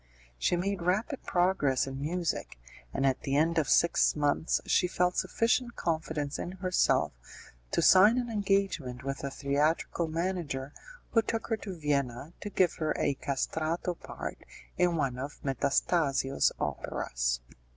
She made rapid progress in music, and at the end of six months she felt sufficient confidence in herself to sign an engagement with a theatrical manager who took her to Vienna to give her a 'castrato' part in one of Metastasio's operas.